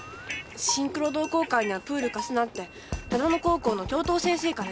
シンクロ同好会にはプール貸すなって唯野高校の教頭先生から言われたらしいのよ。